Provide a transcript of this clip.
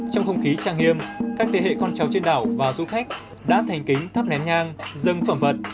trong không khí trang nghiêm các thế hệ con cháu trên đảo và du khách đã thành kính thắp nén nhang dân phẩm vật